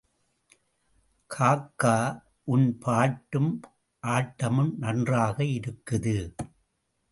காக்கா—உன் பாட்டும் ஆட்டமும் நன்றாக இருக்குது.